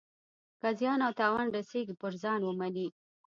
که زیان او تاوان رسیږي پر ځان ومني.